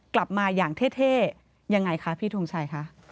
กลับมาอย่างเท่ยังไงคะพี่ทงชัยคะ